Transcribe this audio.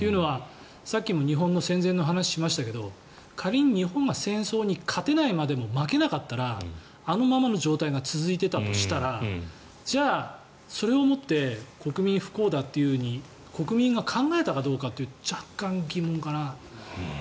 というのはさっきも日本の戦前の話しましたけど仮に日本が戦争に勝てないまでも負けなかったらあのままの状態が続いていたとしたらじゃあそれをもって国民、不幸だというふうに国民が考えたかどうかというと若干、疑問かな。